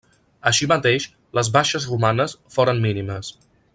Així mateix, les baixes romanes foren mínimes.